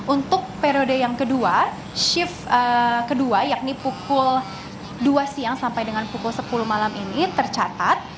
untuk periode yang kedua shift kedua yakni pukul dua siang sampai dengan pukul sepuluh malam ini tercatat